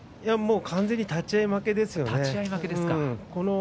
完全に立ち合い負けですよね。